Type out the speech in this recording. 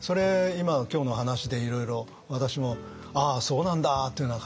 今今日の話でいろいろ私もああそうなんだというような感じで。